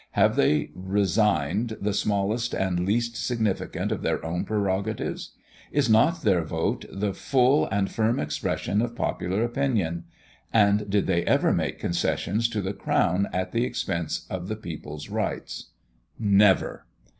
Have they resigned the smallest and least significant of their own prerogatives? Is not their vote the full and firm expression of popular opinion? And did they ever make concessions to the crown at the expense of the people's rights? Never!